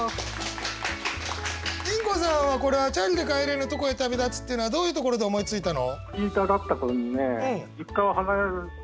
インコさんはこれは「チャリで帰れぬとこへ飛び発つ」っていうのはどういうところで思いついたの？